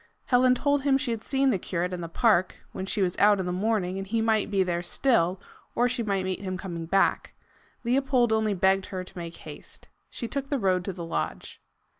Helen told him she had seen the curate in the park, when she was out in the morning, and he might be there still, or she might meet him coming back. Leopold only begged her to make haste. She took the road to the lodge.